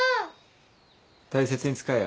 大切に使えよ。